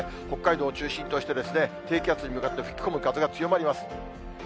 北海道を中心として低気圧に向かって吹き込む風が強まります。